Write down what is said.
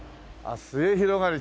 末広がり。